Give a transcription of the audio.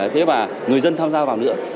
thế và người dân tham gia vào nữa